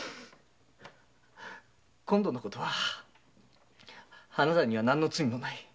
今度のことはあなたには何の罪もない。